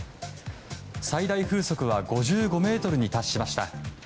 最大風速は５５メートルに達しました。